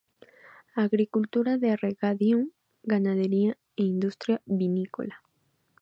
Agricultura de regadío, ganadería e industria vinícola.